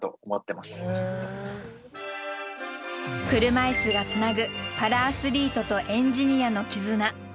車いすがつなぐパラアスリートとエンジニアの絆。